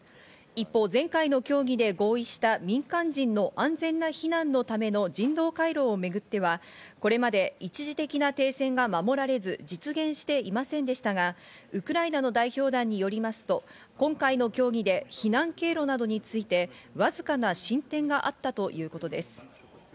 一方、前回の協議で合意した、民間人の安全な避難のための人道回廊をめぐっては、これまで一時的な停戦が守られず実現していませんでしたが、ウクライナの代表団によりますと、今回の協議で避難経路などについてわずかな進展があったということです。